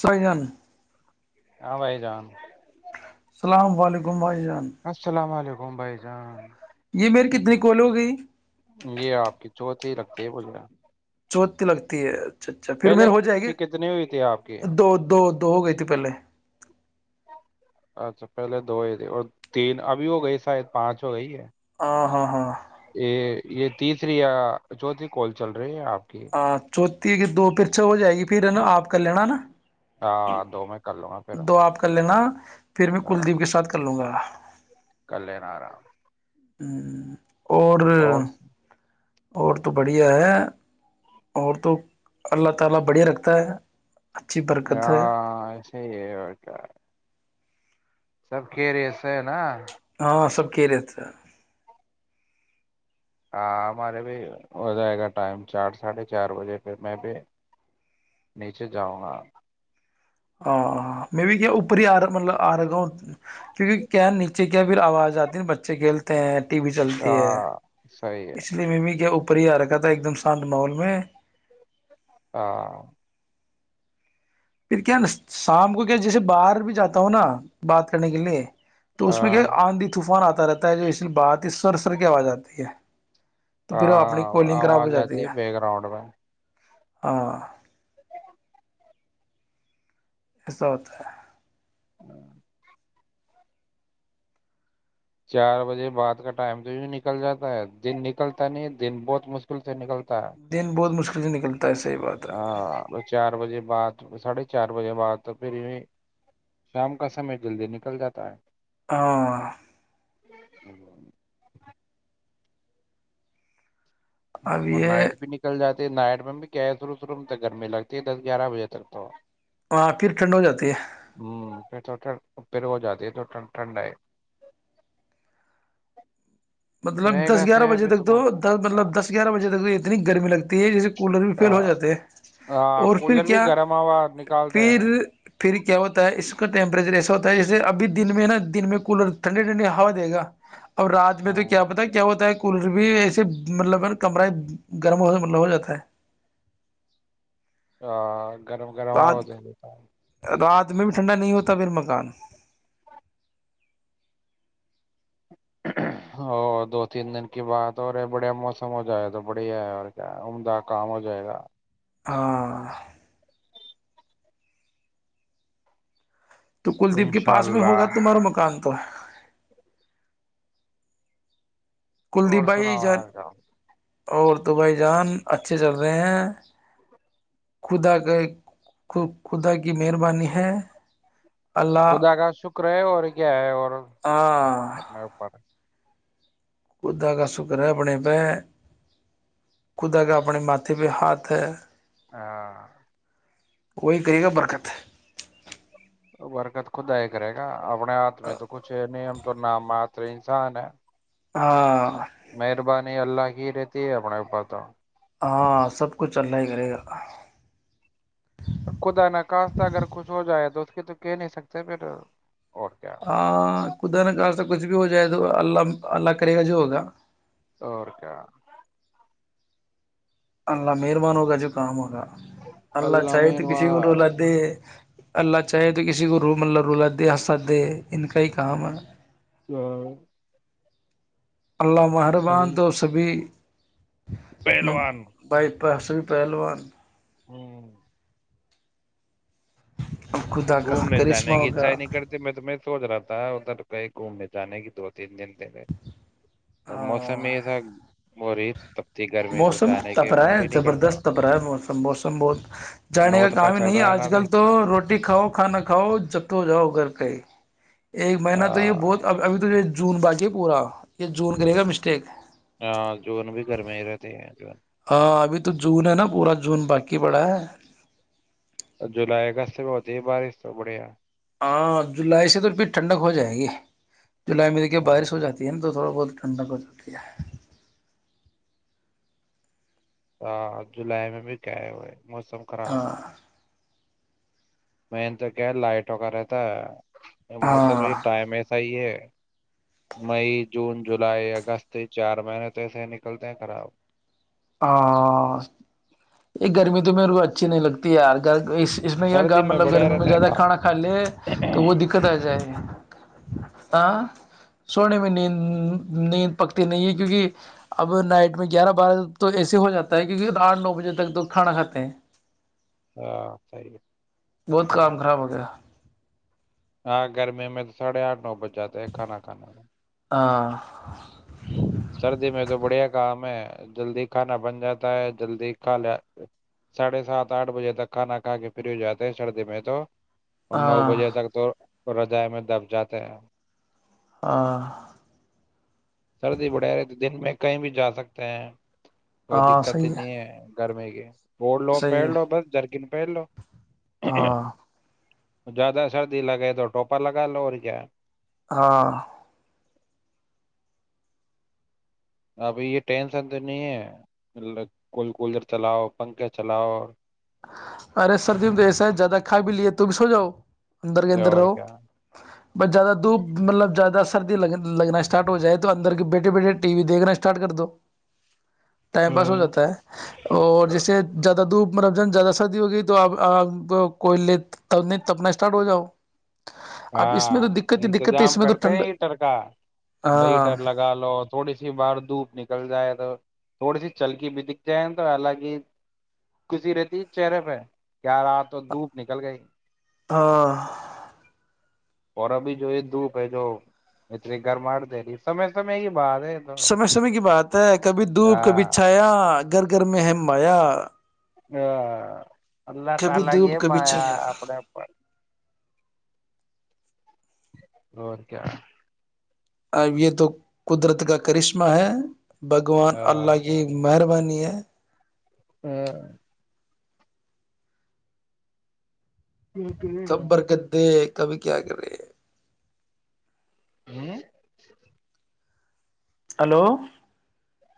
سی جان ہاں بھائی جان السلام علیکم بھائی جان السلام علیکم بمبئی ج ہ یہ مری کتنی کوول ہو گئی یہ آپ کی چوت ہی لگتی ہے بول رہا چتی لگتی ہے اچھا اچھا پھر م ہو جائے گی کتنی ہوئی تھی آپ کی دو دو دو ہو گئی تھی پہلے اچھا پہلے دو ہی تھے اور تین ابھی ہو گئی شاید پانچ ہو گئی ہے ہاں ہاں ہاں یہ یہ تیسری یا چوتھی کوال چل رہی ہے آپ کی چوتھی کی دو پھرچا ہو جائے گی پھر آپ کر لین نا ہاں دو میں کر لوں گا پھر دو آپ کر لینا پھر میں کلدیپ کے ساتھ کر لوں گا کر لینا آرام اور اور تو بڑھیا ہے اور تو اللہ تعالی بڑے رکھتا ہے اچھی برکت ہے ہاں ایسے ہی ہے اور کیا سب ک رہے نا کی رہے تھ ہاں ہمارے بھی ہو جائے گا ٹائم چار ساڑھے چار بجے پ میں بھی نیچے جاؤں گا ہ میں بھی کیا اوپر ہی آ رہ مطلب آ رہ گا ہوں کیونکہ کیا نیچے کیا پھر آواز آتی ہے بچے کھیلتے ہیں بھی چلتی ہے ہاں صحیح ہے اس لیے ممی کیا اوپر پر ہی آ رکھا تھا ایک دم شانت ماحول میں ہاں پھر کیا نا شام کو کیا جیسے باہر بھی جاتا ہوں نا بات کرنے کے لیے تو اس میں کیا ہے ہاں آندھی طوفان آتا رہتا ہے جو اس بات ہی سر سر کی آواز آتی ہے تو پھر اپنی ہاں کالنگ خراب ہو آواز جاتی آتی ہے ب گراؤنڈ میں ہاں بہار کی اوج عا رہی ہے ایسا ہوتا ہے چار بجے بعد کا ٹائم تو بھی نکل جاتا ہے دن نکلتا نہیں ہے دن بہت مشکل سے نکلتا ہے دن بہت مشکل [inaudible] بات ہے ہاں چار بجے بعد ساڑھے چار بجے بعد پھر یہ شام کا سمے جلدی نکل جاتا ہے ہاں [inaudible] اب اور یہ نائٹ بھی نکل جاتا نائٹ میں بھی کیا ہے شروع شروع میں ت گرمی لگتی ہے دس گیارہ بجے تک تو ہاں پھر ٹھنڈ ہو جاتی ہے ہوں پھر تو پھر ہو جاتی ہے تو ٹھنڈ آئے مطلب دس گیارہ بجے تک تو مطلب دس گیارہ بجے تک اتنی گرمی لگتی تی کولر بھی فیل ہو جاتے ہیں ہاں اور پھر کولر بھی کیا گرم ہوا نکالتے پھر ہیں پھر کیا ہوتا ہے اس کا ٹائم ایسا ہوتا ہے جیسے اب دن میں نا دن میں کولر ٹھنڈی ٹھنڈی ہوا دے گا اور رجنیتک ہاں کیا پتا کیا ہوتا ہے کولر بھی ایسے مطلب ہے نا کمرہ گرم ہو مطلب ہو جاتا ہے [inaudible] گرم گرم ہو رات جائے گے رات میں بھی ٹھنڈا نہیں ہوتا پھر مکان ا دو تین دن کی بات اور رہے بڑھیا موسم ہو جائے تو بڑھیا ہے اور کیا ہے عمدہ کام ہو جائے گا ہاں تو کلدیپ کے انشاء پاس میں ہوگا اللہ تمہارا مکان تو اور کلدیپ بھائی سناوا جان آ تھا اور تو بھائی جان اچھے چل رہے ہیں خدا کا خدا کی مہربانی ہے اللہ خدا کا شکر ہے اور کیا ہے اور ہاں اپنے اوپر ہے خدا کا شکر ہے اپنے پہ خدا کا اپنے ماتھے پہ ہاتھ ہے ہاں کوی کرری گ برکت برکت خود دائ کرے گا اپنے ہاتھ میں تو کچھ ہے نہیں تو نام مت انسان ہے ہاں نہیں اللہ کی رہیتی اپنےے پاات ہاں سب کچھ چلنا ہی کرے گا خدا نخاستہ اگر کچھ ہو جائے تو کہ تو کہہ نہیں سکتے بیٹ ہاں کد نہ گ سے کچھ بھی ہو تو اللہ اللہ کرے گا جو ہوگا اور کیا اللہ مہربان ہوگا جو کام ہوگا اللہ چاہت کسی گور لدے اللہ چاہے تو کسی کو روم اللہ رلا دے آ سے ان کا ہی کام اللہ محربان صحیح تو سبھی پہلوان پحسم پہلوان ہوں اب خدا کا گھومنے کرشمہ جانے کی ہوگا اچھا ہی نہیں کرتی میں تو سوچ رہا ہے ادھر کہیں گھومنے جانے کی دو تین دن اور موسم ہاں میں ایسا موری موسم تپ رہا ہے کرتا زبردست تپ رہا ہے موسم موسم بہت جانے کا نوتپا پا کام چل نہیں رہا ہے نا آج ابھی کل تو روٹی روٹی کھاؤ کھانا کھاؤ جب تو جاؤ گھر کا ہی ایک مہینہ تو یہ بہت اب اب تو جو زون باقیے پورا یہ زون کرے گا مسٹیک ہاں جو ن بھی گھر میں ہی رہتے ہیں جو ہاں ابھی تو جون ہے نا پورا جون باقی پڑا ہے جولائی اگست میں ہوتی ہے بارش تو بڑھیا ہاں جولائی سے تو پھر ٹھنڈک ہو جائے گی جولائی میں دھیے ہاں بارش ہو جاتی نا تو تھوڑا بہت چھنڈ کو چتی ہے ہاں جولائی میں بھی کہئے ہوئے موسم خراب ہاں میںین تو کیا لائٹوں کا رہتا یہ موسم ہاں یہ ٹائم ایسا ہی ہے مئی جون جولائی اگست چار مہینے تو ایسے ہی نکلتے ہیں خراب ہاں یہ گرمی تو میرے کو اچھی نہیں لگتی یار اس اس میں یا سردی مطلب بڑھیا گرمی میں رہتا ہے زیادہ کام کھانا کھا لے تو وہ دقت آ جائے ہ سونے میں نیند نیند پکتی نہیں ہے کیونکہ اب نائٹ میں گیارہ بارہ تو ایسے ہو جاتا ہے کیونکہ آٹ نو بجے تک تو کھانا کھاتے ہیں ہاں سی بہت کام خراب ہو گیا ہاں گرمی میں تو ساڑھے آٹھ نو بج جا ت ہے کھانا کھانے میں ہاں سردی میں تو بڑھیا کام ہے جلدی کھانا بن جاتا ہے جلدی کھا ل ساڑھے سات آٹھ بجے تک کھانا کھا کے فری ہو جاتے ہیں سردی میں تو اور نو ہاں بجے تک تو کو رضائے میں دب جاتے ہیں ہاں سردی بڑھے رہی تو دن میں کہیں بھی جا سکتے ہیں کوئی ہاں دقت ہی صحیح نہیں ہے گرمی کے وہڑ لو صحیح پیڑ ہے لو بس جرکن پہلو ہاں زیادہ سردی لگے تو ٹوپا لگا لو اور کیا ہاں ابھی یہ ٹینشن تو نہیں ہے کول کولر چلاؤ پنکھے چلاؤ ارے سر دی میں تو ایسا ہے زیادہ کھا بھی لے تم بھی سو جاؤ انندر کےاندر اور روه کیا بس زیادہ دھوپ مطلب زیادہ سردی لگ لگنا اسٹارٹ ہو جائے تو اندر کے بیٹھے بیٹھے ٹی وی دیکھنا اسٹارٹ کر دو ہے؟ ٹائم پاس ہو ہاں جاتا ہے اور جیسے زیادہ دپ زیادہ سردی ہوگی تو آپ کوئی لےب نہیں تپنا اسٹارٹ ہو جاؤ اب اس میں تو ہاں دقت ہی دقت ہے انتظام اس میں تو کرتے ٹھنڈ ہیں ایٹر کا ب ہاں ہیٹر لگا لو تھوڑی سی بار دھوپ نکل جائے تو تھوڑی سی چلکی بھی دکھ جائے تو حالانکہ کشی رہتی ہے چہرے پہ کیاارات تو دھوپ نکل گئی ہاں اور ابھی جو یہ دوپ ہے جو متر گھر مار دے رہی سمے سمے ہی سمے سمے کی بات ہے کبھی دھوپ کبھی ہاں چھایا گر گھر میں ہے مایا ہاں اللہ کبھی تالا کی دھوپ ہے ما کبھی یا چھایا آ اپنے پر اور کیا اب یہ تو قدرت کا کرشمہ ہے بھگوان اللہ کی مہربانی آ [unintelligible] ہاں سب برکتے دے کبھی کیا کر رہے ہیں ہوں ہلو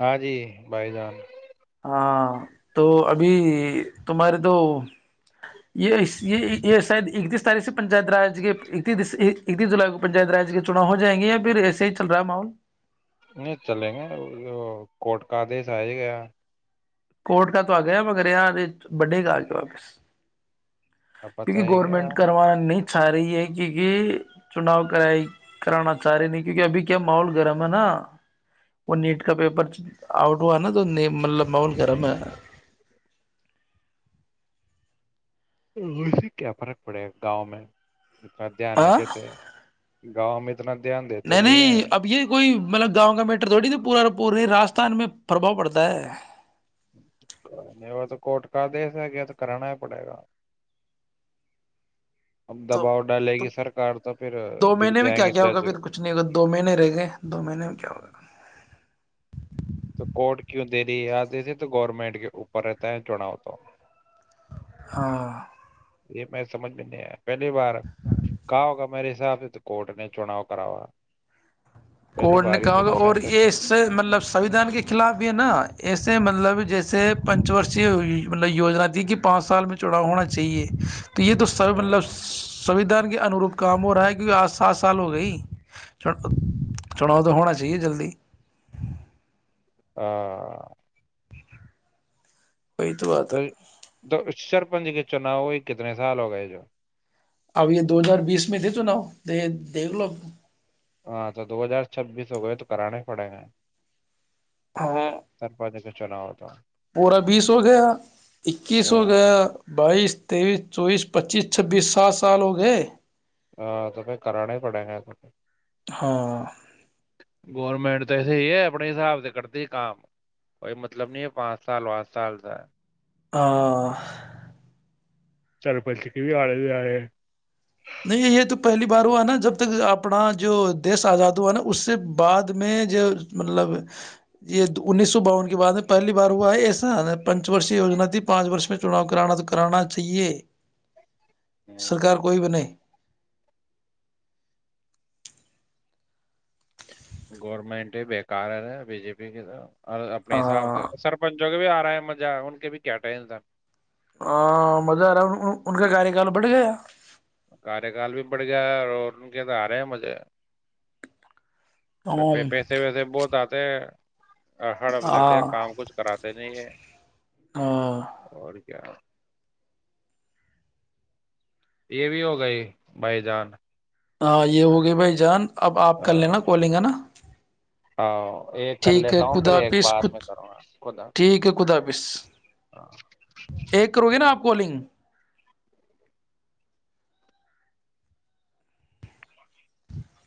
ہاں جی بھائی جان ہاں تو ابھی تمہارے تو یہ یہ یہ شاید اکتیس تاریخ سے پنچایت رج کے اکتیس اکتیس جولائی کو پنچایت رج کے چناؤ ہو جائیں گے یا پھر ایسے ہی چل رہا ہے محول نہیں چلیں گے کوٹ کا آدش آ ہی گیا کوٹ کا تو آ گیا مگر یہاں بڈے کا آ کے واپس اب پت کیونکہ ہے کیا گورنمنٹ کروا نہیں چا رہی ہے کیونکہ چناؤ کرائی کرانا چاہ رہی نہیں کیونکہ ابھی کیا ماحول گرم ہے نا وہ نیٹ کا پیپر آؤٹ ہوا نا تو مطلب ماحول گرم ہے سے کیا فرق پڑے گاؤں میں اا دھیان نہیں ہاں دیتے ہے گاؤں میں اتنا دھیان دیتے نہیں ہے نہیں اب یہ کوئی مطلب گاؤں کا میٹر تھوڑی تو پورا اور پوری راستان میں پرباؤ پڑتا ہے نہیں وہ تو کوٹ کا آدیش ہے گیا تو کرانا ہی پڑے گا اب تو دباؤ ڈالے تو گی سرکار تو پھر دو بک مہینے میں جائیں کیا گے کیا ہوگا جج پھر کچھ نہیں ہوگا دو مہینے رہ گئے دو مہینے میں کیا ہوگا تو کورٹ کیوں دری آتے تھے تو گورنمنٹ کے اوپر رہتا ہے چڑاؤ تو ہاں یہ میں سمجھ میں نہیں آیا پہلی بار کہؤ کا میرے حساب سے تو کوٹ نے چناؤ کراوا کوٹ نے کہا ہوا اور یہ اس سے مطلب سویدھان کے خلاف یہ نا ایسے مطلب جو جیسے پنچ ورشی م یجنا تھی کہ پانچ سال میں چڑاؤ ہونا چاہیے تو یہ تو سب مطلب سویدھان کے انوروپ کام ہو رہا ہے کہ وہ آج سات سال ہو گئی چ چلو تو ہونا چاہیے جلدی ہ وہی بات تو ہے تو سر پنجی کے چناؤ وہی کتنے سال ہو گئے جو اب یہ دو ہزار بیس میں دے تونا دیکھ لو ہاں تو دو ہزار چھبیس ہو گئے تو کرانے ہی پڑے گا سر پد چناؤ تو پورورا بیس ہو گیا اکیس ہو گیا بائیس تیئیس چوبیس پچیس چھبیس سات سال ہو گئے ہاں تو پھر کرانا ہی پڑے گا ہاں گورمنٹ تو صحی ہے اپنے حساب سے کرتی ہی کام کوئی مطلب نہیں ہے پانچ سال پات سال کا ہے ہ سرپنچ کی بھی آے د آے نہیں یہ تو پہلی بار ہوا نا جب تک اپنا جو دیش آزاد ہوا نا اس سے بعد میں جو مطلب یہ انیس سو باون کے بعد میں پہلی بار ہوا ہے ایسا پنچ وشی وجنا تھی پانچ وش میں چناؤ کرانا تو کرانا چاہیے ہوں سرکار کوئی بنے گورورمنٹ ہی بیکارر بی جے پی کی تو اور اپنے حساب ہاں سے سرپنچوں کے بھی آ رہے ہیں مزہ ان کے بھی کیا ٹم تھاان ہ مزہا ان کا کاریہکال بٹھ گیا کاریہ کال بھی بڑھ گیا ہے اور ان کے تو آ رہے ہیں مجھے پیسے ویسے بہت آتے ہیں ہڑپ لیتے ہیں کام ہاں کچھ کراتے نہیں ہے اور کیا یہ بھی ہو گئی بھائی جان ہاں یہ ہوگی بھائی جان اب آپ کر لینا ہاں کالیں گا نا ہاں ایک کر ٹھیک ہے لیتا ہوں پھر خدا ایک پس بعد میں کروں گا خدا حافظ ٹھیک ہے خدا پس ہاں ایک کرو گے نا آپ کوالنگ